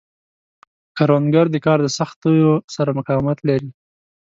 کروندګر د کار د سختیو سره مقاومت لري